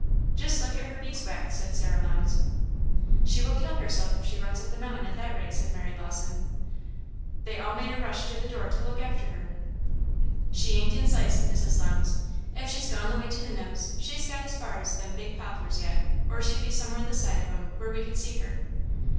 "Just look at her bees' wax!" said Sarah Lowndes. "She will kill herself if she runs up the mountain at that rate," said Mary Lawson. They all made a rush to the door to look after her. "She ain't in sight," said Mrs. Lowndes; "if she's gone the way to the Nose, she's got as far as them big poplars already, or she'd be somewhere this side of 'em, where we could see her."